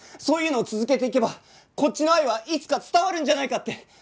そういうのを続けていけばこっちの愛はいつか伝わるんじゃないかって！